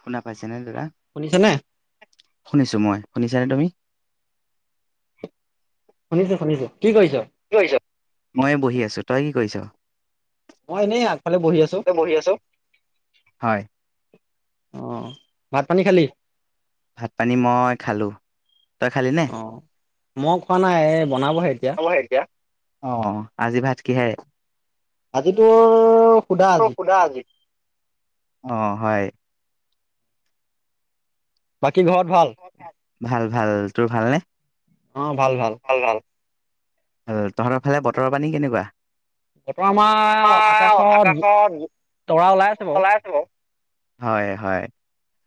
শুনা পাইছানে দাদা? শুনিছা নে? শুনিছো মই। শুনিছানে তুমি? শুনিছোঁ, শুনিছোঁ। কি কৰিছ? মই এই বহি আছোঁ। তই কি কৰিছ? মই এনেই আগফালে বহি আছোঁ তই বহি আছ? হয়, অ'। ভাত পানী খালি? ভাত পানী মই খালোঁ। তই খালি নে? মও খোৱা নাই এ হ'ব এতিয়া, অ' আজি ভাত কিহেৰে? আজি তোৰ [unintelligible] আজি, অ', হয়। বাকী, ঘৰত ভাল? ভাল, ভাল তোৰ ভাল নে? অ' ভাল, ভাল। এহ তহঁতৰ ফালে বতৰৰ পানী কেনেকুৱা? বতৰ আমাৰ তোমাৰ, আকাশত তৰা ওলাই আছে বাৰু। হয় হয়,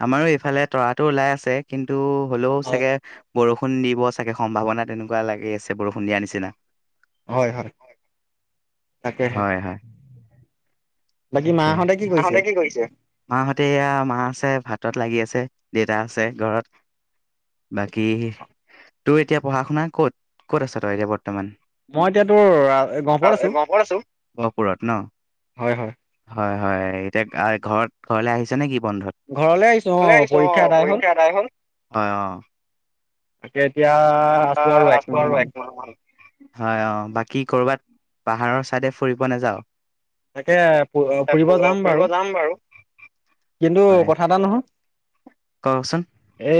আমাৰো এইফালে তৰাটো ওলাই আছে কিন্তু হলেও চাগে বৰষুণ দিব চাগে সম্ভাৱনা তেনেকুৱা লাগি আছে বৰষুণ দিয়াৰ নিচিনা। হয়, হয়। তাকেহে। হয় হয়, তাকে, মাহঁতে কি কৰিছে, মাহঁত তেয়া মা আছে ভাতত লাগি আছে দেউতা আছে ঘৰত। বাকী, তোৰ এতিয়া পঢ়া শুনা ক'ত? ক'ত আছ তই এতিয়া বৰ্তমান? মই এতিয়া তোৰ বৰ্তমান? গহপুৰত অহ, আছো। এই গহপুৰত আছো। গহপুৰত নহ? হয় হয়। হয়, হয়। এতিয়া, আ ঘৰত ঘৰলে আহিছ নে কি? বন্ধত। [unintelligible] অ, পৰীক্ষা এটাহে হল। অ', অ'। তাকে। এতিয়া আ আছো! আৰু একমাহ মান হয় অ', বাকী কৰবাত। পাহাৰৰ ছাইডে ফুৰিব নাযাওঁ? তাকে, ফু-ফুৰিব যাম বাৰু। কিন্তু, হয় কথা এটা নহয়? কচোন এ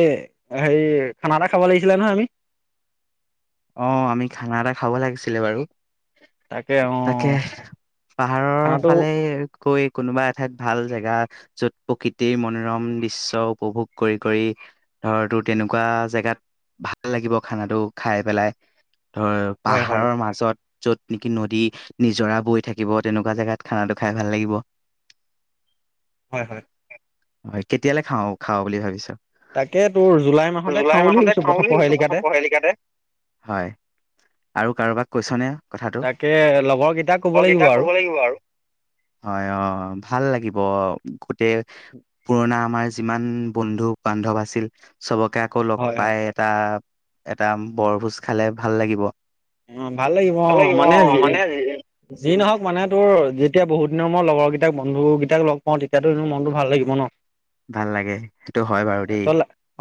হেৰি, খানা এটা খাব লাগিছিলে নহয় আমি? অ', আমি খানা এটা খাব লাগিছিলে বাৰু। তাকে অ তাকে, পাহাৰৰ খানাটো ফালে। কৈ কোনোবা এঠাইত ভাল জেগা য'ত, প্ৰকৃতিৰ মনোৰম দৃশ্য উপভোগ কৰি কৰি। ধৰ, তোৰ তেনেকুৱা জেগাত ভাল লাগিব খানাটো খাই। পেলাই ধৰ হয় হয় পাহাৰৰ মাজত য'ত নেকি, নদী নিজৰা বৈ থাকিব। তেনেকুৱা, জেগাত খানাটো খাই ভাল লাগিব। হয়, হয়। হয়, কেতিয়ালে খাওঁ খাওঁ বুলি ভাবিছ'? তাকে তোৰ জুলাই মাহতে জুলাই খাওঁ বুলি মাহতে ভাবিছো খাওঁ প্ৰথম বুলি ভাবিছো, প্ৰথম পহেলিকাতে পঢ়েলিকাতে। হয়, আৰু কাৰোবাক কৈছনে? কথাটো তাকে। [unintelligible] [unintelligible] কব লাগিব আৰু। হয়, অ'। ভাল লাগিব। গোতেই, পুৰণা আমাৰ যিমান বন্ধু বান্ধৱ আছিল চবক। [unintelligible] আকৌ লগ হয় হয় পাই এটা, এটা বৰভোজ খালে ভাল লাগিব। অ', ভাল লাগিব অ, মানে যি-যি নহওক মানে তোৰ। তেতিয়া, বহুত দিনৰ মূৰত লগৰ কেইতাক বন্ধুকেইতাক লগ পাওঁ। তেতিয়াতো, মোৰ মনটো ভাল লাগিব নহ। ভাল লাগে, সেইটো হয় বাৰু দেই।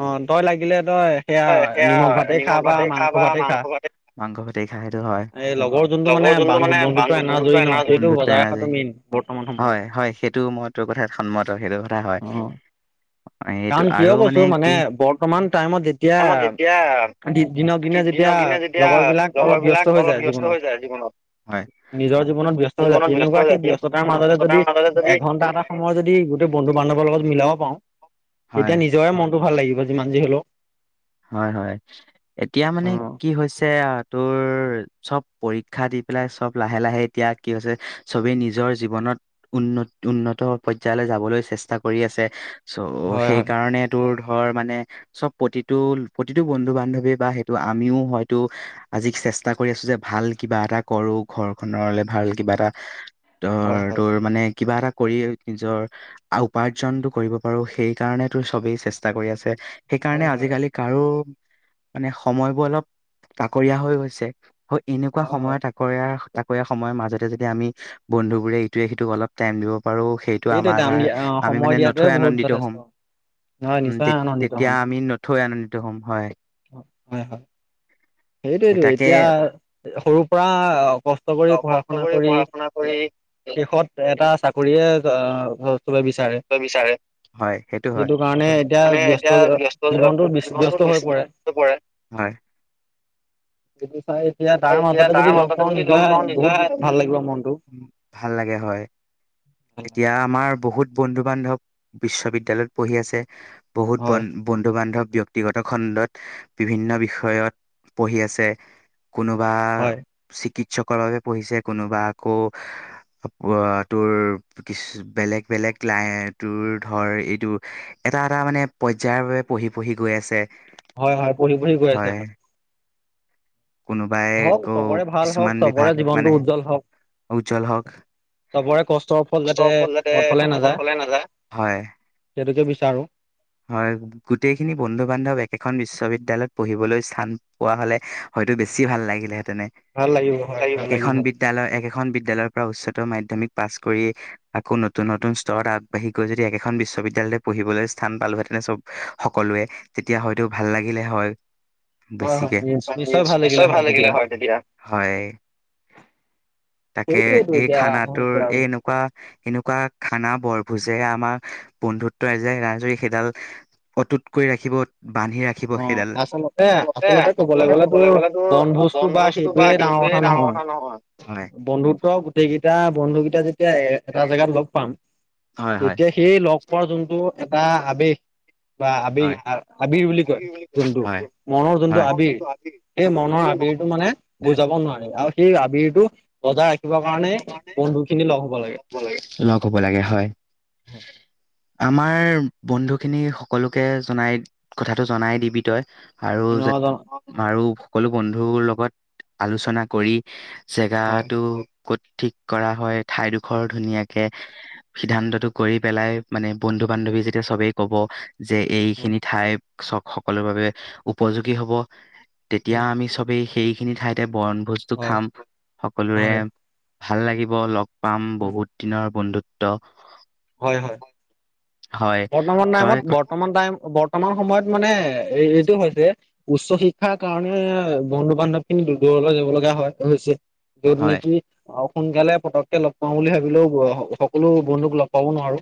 অ' তই লাগিলে তই সেয়া হয় নিমখ ভাতেই খা বা মাংস ভাতেই খা। ভাতে মাংস ভাতেই খা সেইটো হয়। এই লগৰ যোনটো মানে বান্ধ বান্ধু-বন্ধুত্বৰ বন্ধুত্ব এনীজয়ী নহ, এনাজৰী সেইটো বন্ধুত্ব বজাই এনাজৰী ৰখাটো মেইন বৰ্ত। হয়, হয়। সেইটো মই তোৰ কথাত সন্মত, সেইটো কথা হয়। অ অ', এইটো কাৰণ কিয় আৰু কৈছো মানে কি? বৰ্তমান টাইমত যেতিয়া [unintelligible] যেতিয়া। দিনক দিনে যেতিয়া দিনক দিনে যেতিয়া। লগৰ বিলাক লগৰ অলপ ব্যস্ত বিলাক হৈ অলপ যায় ব্যস্ত জীৱনত হৈ যায়, জীৱনত। নিজৰ জীৱনত ব্যস্ত হৈ যায় জীৱনত, ব্যস্ত তেনেকুৱা হৈ সেই যায়। ব্যস্ততাৰ [unintelligible] মাজতে যদি মাজতে যদি এঘন্টা এটা সময় যদি গোটেই বন্ধু বান্ধৱৰ লগত মিলাব পাৰওঁ, হয়, তেতিয়া নিজৰে মনটো মোৰও ভাল লাগিব, যিমান যি হলেও। হয়, হয়। এতিয়া মানে, অ কি হৈছে আ তোৰ। চব পৰীক্ষা দি পেলাই চব লাহে লাহে এতিয়া কি হৈছে, চবেই নিজৰ জীৱনত উন্নত। উন্নত, পৰ্যায়লৈ যাবলৈ চেষ্টা কৰি আছে। চ' হয় হয় সেইকাৰণে তোৰ ধৰ মানে চ'ব প্ৰতি [unintelligible] প্ৰতিটো বন্ধু বান্ধৱে বা সেইটো আমিও হয়তো, আজি চেষ্টা কৰি আছো যে ভাল কিবা। এটা কৰো, ঘৰখনলে ভাল কিবা এটা হয় ধৰ, হয় তোৰ মানে? কিবা এটা কৰি নিজৰ উপাৰ্জনটো কৰিব পাৰোঁ, সেই কাৰণেটো চবেই চেষ্টা কৰি আছে। হয়, হয়। আৰু, মানে, সময়বোৰ অলপ তাকৰীয়া হৈ গৈছে। এনেকুৱা হয় হয় সময় তাকৰীয়া। তাকৰীয়া সময়ৰ মাজেৰে যদি আমি, বন্ধু বোৰে ইটোৱে সিটোক অলপ টাইম দিব। বাৰু, সেইটো সেইটোৱে আমাৰ দাম কাৰ। দিয়া অ আমি সময় মানে, দিয়াটোৱে নথৈ বহুত আনন্দিত যথেষ্ট হ'ম। হয় উম, নিশ্চয় আনন্দিত তে-তেতিয়া হম আমি নথৈ আনন্দিত হ'ম, হয়। হয়, হয়। সেই সেইটোয়েইতো, তাকে এতিয়া সৰুৰ পৰা কষ্ট অ কৰি পঢ়া কষ্ট শুনা কৰি। পঢ়া শুনা কৰি শেষত এটা চাকৰিয়ে। [unintelligible] চবেই বিচাৰে, বিচাৰে হয় হয় সেইটো কাৰণে এতিয়া মানে এতিয়া ব্যস্ত জীৱনটো ব্যস্ত। হৈ পৰে। টো কৰে, হয়। সেইটো চাইদত এতিয়া, তাৰ এতিয়া মাজতে তাৰ যদি লগ পাওঁ, লগ পাওঁ নিজেৰে বহুত নিজৰে ভাল লাগিব মনটো। ভাল লাগে হয় এতিয়া আমাৰ বহুত বন্ধু বান্ধৱ বিশ্ববিদ্যালয়ত পঢ়ি আছে। বহুত হয় বন-বন্ধু বান্ধৱ ব্যক্তিগত খণ্ডত বিভিন্ন বিষয়ত পঢ়ি আছে। কোনোবা হয় চিকিৎসকৰ বাবে পঢ়িছে, কোনোবা আকৌ তোৰ বেলেগ। বেলেগ লাই, তোৰ ধৰ এইটো এটা, এটা মানে পৰ্যায়ৰ বাবে পঢ়ি পঢ়ি গৈ আছে। হয়, হয় পঢ়ি, পঢ়ি গৈ আছে হয়। কোনোবাই হওঁক, আকৌ চবৰে ভাল হওঁক, কিছুমান চবৰে বিভাগ মানে জীৱনটো উজ্জ্বল হওঁক। উজ্জ্বল হওক চবৰে কষ্টৰ ফল যাতে অথলে নাযায়। সেইটোকে বিচাৰোঁ। হয় গোটেইখিনি বন্ধু বান্ধৱ একেখন বিশ্ববিদ্যালয়ত পঢ়িবলৈ স্থান পোৱা হ'লে হয়টো বেছি ভাল লাগিলেহেতেনে ভাল লাগিব হয় হেই ভাল লাগিল সেখন হয় বিদ্যালয়, একেখন বিদ্যালয় অ' উচ্চতৰ মাধ্যমিক পাছ কৰি আকৌ নতুন নতুন স্তৰত আগবাঢ়ি গৈ যদি একেখন বিশ্ববিদ্যালয়তে পঢ়িবলৈ স্থান পালোহেঁতেনে চ'ব সকলোৱে। তেতিয়া হয়তো ভাল লাগিলে হয়। বেছিকে, নিশ্চয় ভাল লাগিলে হয় তেতিয়া। হয়। তাকে, সেইটোৱেইটো এই এতিয়া খানাটোৰ হৈছে আৰু এই এনেকুৱা এনেকুৱা। কোৱা খানা বৰভোজে আমাৰ বন্ধুত্ব [unintelligible] হেই সেডাল অটুট কৰি ৰাখিবত। অ' আচলতে, আচলতে, ক'বলৈ গ'লে তোৰ বনভোজ বা সেইটোয়ে ডাঙৰ কথা নহয়, বন্ধুত্ব গোটেই কেইটা বন্ধুকেই তেতিয়া, যেতিয়া এ এটা জেগাত লগ পাম, হয়, হয়, তেতিয়া সেই লগ পোৱাৰ যোনটো। এটা আবগ বা আবগ হয়। আবিৰ বুলি কয়। জোনটো, মনৰ জোনটো মনৰ আৱেগ। যোনটো আবিৰ সেই মনৰ আবিৰটো মানে বুজাব নোৱাৰি আৰু সেই আবিৰটো বজাই ৰাখিব কাৰণে বন্ধু খিনি লগ হব লাগে। লগ হ'ব লাগে হয়। হ। আমাৰ বন্ধুখিনি সকলোকে জনাই কথাটো জনাই দিবি তই। আৰু ন আৰু সকলো বন্ধুৰ লগত আলোচনা কৰি হয় জেগাটো, ক ঠিক কৰা হয় ঠাইডোখৰ ধুনীয়াকে সিদ্ধান্তটো কৰি পেলাই মানে ব বন্ধু বান্ধৱী যেতিয়া সবেই কব। যে এইখিনি হয় ঠাই চ সকলো বাবে উপযোগী হব। তেতিয়া আমি চবেই সেইখিনি ঠাইতে বৰনভোজটো হয় খাম। সকলোৱে হয় ভাল লাগিব লগ পাম বহুত দিনৰ বন্ধুত্ব। হয় হয় হয় বৰ্তমান তই টাইমত ক- বৰ্তমান টাইম বৰ্তমান সময়ত মানে, এই এইটো হৈছে উচ্চ শিক্ষাৰ কাৰণে বন্ধু বান্ধৱ খিনি দূ, দূৰলৈ যাব লগা হয়, হৈছে। যত হয় নেকি অ সোনকালে পতককে লগ পাও বুলি ভাবিলেও সকলো বন্ধুক লগ প পাব ন আৰু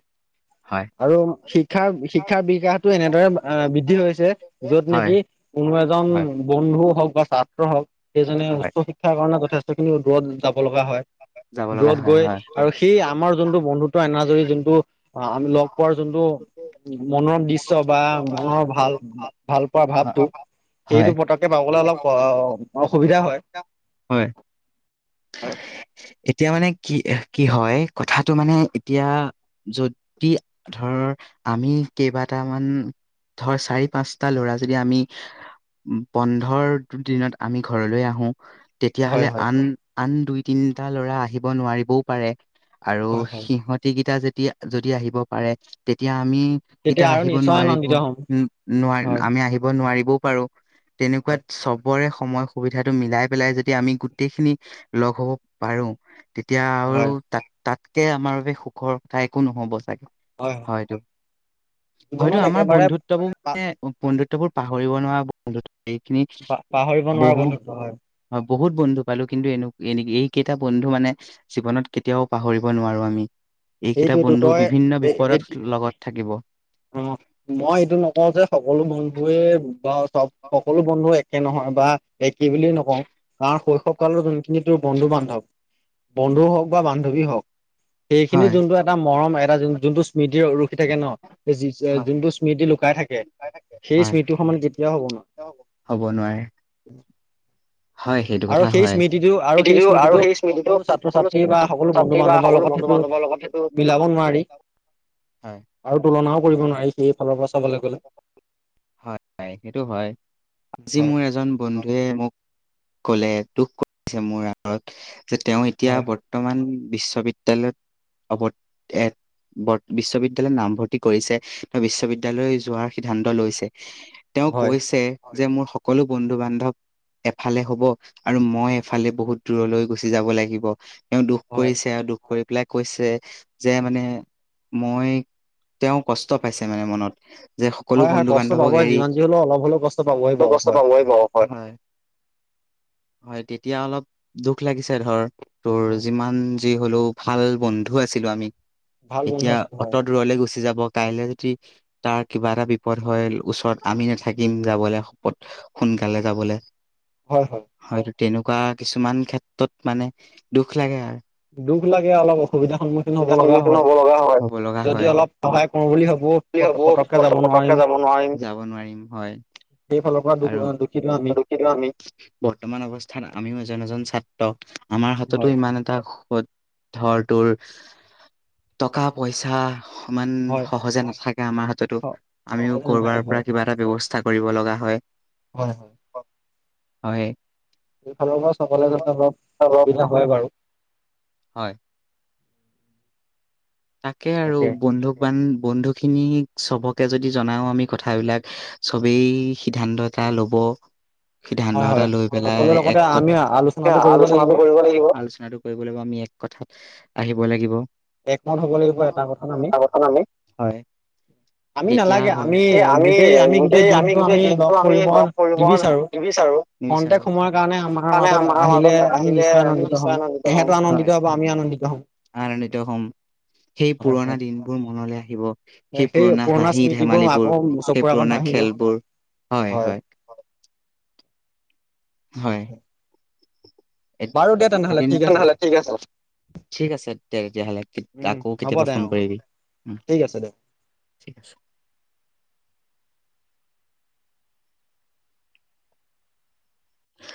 হয় আৰু শিক্ষাৰ, শিক্ষাৰ বিকাশতটো এনেদৰে আ বৃদ্ধি হৈছে য'ত হয় হয় নেকি কোনোবা এজন বন্ধু হওঁক বা ছাত্ৰ হওঁক সেইজনে হয় উচ্চ শিক্ষাৰ কাৰণে যথেষ্ট খিনি দূৰত যাব লগা হয়। যাব লগা দূৰত হয় গৈ আৰু সেই আমাৰ জোনটো বন্ধুত্ব এনাজৰী জোনটো অ' আমি লগ পোৱাৰ যোনটো হয় মনম দিশ্য বা মনৰ ভাল ভাল পোৱা হয়। ভাৱটো হয়, সেইটো পতকাককে পাবলৈ অলপ অসুবিধা হয়। হয় এতিয়া মানে কি। কি হয় কথাটো মানে এতিয়া যদি ধৰ আমি কেইবাট তামান, ধৰ চাৰি পাঁচটা ল'ৰা যদি আমি বন্ধৰ দিনত আমি ঘৰলৈ আহো হয় তেতিয়াহ'লে হয় আন, আন দুই তিনটা ল'ৰা আহিব নোৱাৰিবও পাৰে। আৰু হয় হয়। সিহঁতি গিটা যেতিয়া, যদি আহিব পাৰে তে এতিয়া আমি তেতিয়া এতিয়া আৰু আহিব নিশ্চয় নোৱাৰিব আনন্দিত হ'ম। উ নোৱাৰ হয়। আমি আহিব নোৱাৰিবও পাৰো তেনেকুৱাত চবৰে সময় সুবিধাটো মিলাই পেলাই যদি আমি গোটেইখিনি লগ হ'ব পাৰোঁ তেতিয়া আৰু হয়। তাত, তাত তে আমাৰ বাবে সুখৰ ঠাই একো নহব চাগ হয় হয় হয়তটো হয়তটো জীৱনত আমাৰ একেবাৰে বন্ধুত্ববোৰ মানে বন্ধুত বোৰ পাহৰিব নোৱাৰা বন্ধু এইখিনি পা পাহৰিব নোৱাৰা বহু বন্ধুত্ব হয়। বহুত বন্ধু পালোঁ কিন্তু এনো এনে এইকেইটা বন্ধু মানে জীৱনত কেতিয়াও পাহৰিব নোৱাৰো আমি। এইকেইটা সেইটোৱেতো বন্ধু বিভিন্ন তই বিপদত লগত থাকিব। অ' মই এইটো নকওঁ যে সকলো বন্ধুৱে বা চব, সকলো বন্ধু এক একে নহয় বা একেই বুলিয়েই নকওঁ কাৰ শৈশৱ কালৰ যোনখিনি তোৰ বন্ধু বান্ধৱ বন্ধু হওঁক বা বান্ধৱী হক। সেইখিনি হয় জোনটো এটা মৰম, এটা জোন-জোনটো স্মৃতি ৰ-ৰখি থাকে ন। হয়। যোনটো স্মৃতি লুকাই থাকে সেই হয়, স্মৃতি সমান কেতিয়াও হ'ব ন হ'ব নোৱাৰে হয় সেইটো আৰু কথা সেই হয়। স্মৃতিটো আৰু সেই খেতিতো স্মৃতিটো সকলো ছাত্ৰ ছাত্ৰী বা সকলো বন্ধু ছাত্ৰী বা বান্ধৱৰ সকলো লগত বন্ধু সেইটো বান্ধৱৰ লগত সেইটো মিলাব নোৱাৰি হয় আৰু তুলনা মাও কৰিব নোৱাৰি সেই ফালৰ পৰা চাবলৈ গ'লে হয় হয় সেইটো হয় আজি হয় মোৰ এজন বন্ধুৱে মোক ক'লে। দুখ কৰিছে মোৰ আগত যে তেওঁ এতিয়া হয় বৰ্তমান বিশ্ববিদ্যালয়ত অৱত, এ বৰ বিশ্ববিদ্য়ালয় নামভৰ্তি কৰিছে ন বিশ্ববিদ্য়ালয় যোৱাৰ সিদ্ধান্ত লৈছে। তেওঁ হয় কৈছে, যে মোৰ সকলো বন্ধু বান্ধৱ এফালে হ'ব আৰু মই এফালে বহুত দূৰলৈ গুচি যাব লাগিব। তেওঁ দুখ হয় কৰিছে আৰু দুখ কৰি পেলাই কৈছে যে মানে মই, তেওঁ কষ্ট পাইছে মানে মনত। যে সকলো হয় হয় বন্ধু বান কষ্ট পাবই হৰি যিমান যি হলেও অলপ হলেও কষ্ট পাবই বাৰু কষ্ট হয় পাবই পাব বাৰু হয়নে। হয় তেতিয়া অলপ দুখ লাগিছে ধৰ তোৰ যিমান যি হলেওঁ ভাল বন্ধু আছিলোঁ আমি। ভাল বন্ধু এতিয়া আছে অত হয় দূৰলে গুচি যাব কাইলে যদি তাৰ কিবা এটা বিপদ হয় ওচৰত আমি নাথাকিম যাবলে শপত সোনকালে যাবলে। হয়, হয়। তেনেকুৱা কিছুমান ক্ষেত্ৰত মানে দুখ লাগে আ দুখ লাগে অলপ অসুবিধাৰ সন্মুখীন হ'ব অসুবিধাৰ লগা সন্মুখীন হয় হ'ব লগা যদি অলপ সহায় কৰো বুলি ভাবো বুলি হ'ব পতককে যাব পতক-পতককে নোৱাৰিম যাব নোৱাৰিম। যাব নোৱাৰিম হয়। সেইফালৰ পৰা দুখ আৰু দুখিত আমি [unintelligible] বৰ্তমান অৱস্থাত আমিও এজন এজন ছাত দ আমাৰ হাততো হয় ইমান এটা সত ধৰ তোৰ টকা পইচা ইমান হয় সহজে নাথ থাকে আমাৰ হাততো আমিও সহজে নাথাকে কৰবাৰ পৰা হয় কিবা এটা ব ব্যৱস্থা কৰিব লগা হয় হয়। হয়। সেইফালৰ পৰা চাবলে যাতে অলপ অসুবিধা হয় বাৰু। হয় তাকে আৰু বন্ধু বান্ধ বন্ধু খিনি চবকে যদি জনাও আমি কথাবিলাক, চবেই সিদ্ধান্ত এটা লব সিদ্ধান্ত হয় এটা হয় লৈ পেলাই সকলোৰে লগতে এক আমি আলোচনাটো কৰিব লাগিব আলোচনাটো কৰিব লাগিব। আলোচনাটো কৰিব লাগিব, আমি এক কথাত আহিব লাগিব। একমত হ'ব লাগিব, এটা কথাত আমি। হয় আমি তেতিয়া নালাগে, হয়। আমি গোটেই আমি গোটেই দিনটো গোটেই আমি লগ দিনটো আমি কৰিব লগ কৰিব নিবিচাৰো। নিবিচাৰো। খন্তেক নিবিচাৰো। সময়ৰ কাৰণে আমাৰ কাৰণে মাজত আমাৰ আহিলে মাজত আমি আহিলে নিশ্চয় আমি আনন্দিত নিশ্চয় হম আনন্দিত তেহেত হ'ম। আনন্দিত হয় হব। আমি আনন্দিত হ'ম। আনন্দিত হ'ম। সেই হয় পুৰণা হয়। দিনবোৰ মনলৈ আহিব সেই পুৰণা হাঁহি স্মৃতিবোৰ ধেমালিবোৰ আকৌ সেই চকুৰ আগত পুৰণা [unintelligible] ভাহিব খেলবোৰ। হয়, হয়। [inaudible] হয়। বাৰু দে তেনেহ'লে ঠিক আছে [unintelligible] ঠিক আছে দে তেতিয়াহলে, উম আকৌ হ'ব কেতিয়াবা দে ফোন অ কৰিবি। ঠিক আছে দে। ঠিক আছে।